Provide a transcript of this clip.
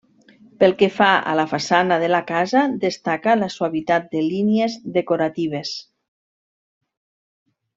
Pel que fa a la façana de la casa destaca la suavitat de línies decoratives.